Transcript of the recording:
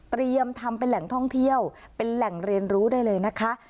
ทำเป็นแหล่งท่องเที่ยวเป็นแหล่งเรียนรู้ได้เลยนะคะ